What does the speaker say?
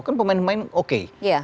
kan pemain pemain oke